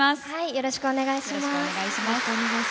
よろしくお願いします。